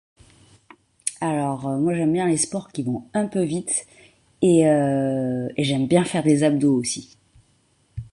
Alors moi j'aime bien les sports qui vont un peu vite, et et j'aime bien faire des abdos aussi.